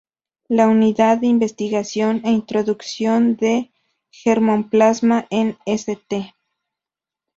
La Unidad de Investigación e Introducción de Germoplasma en St.